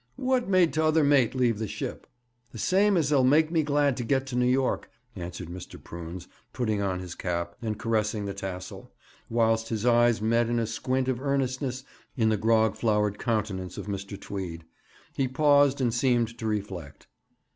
'What made t'other mate leave the ship?' 'The same as'll make me glad to get to New York,' answered Mr. Prunes, putting on his cap, and caressing the tassel, whilst his eyes met in a squint of earnestness in the grog flowered countenance of Mr. Tweed. He paused, and seemed to reflect.